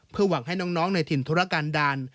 หวังให้น้องในถิ่นธุรกันดาล